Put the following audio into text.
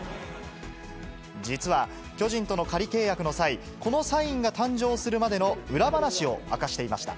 実は、巨人との仮契約の際、このサインが誕生するまでの裏話を明かしていました。